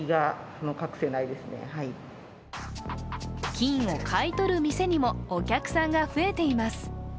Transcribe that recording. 金を買い取る店にもお客さんが増えています